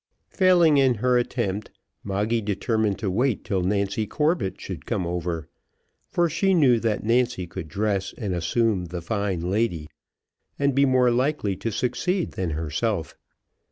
Failing in her attempt, Moggy determined to wait till Nancy Corbett should come over, for she knew that Nancy could dress and assume the fine lady, and be more likely to succeed than herself.